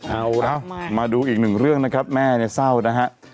เอาล่ะมาดูอีกหนึ่งเรื่องนะครับแม่เนี่ยเศร้านะฮะ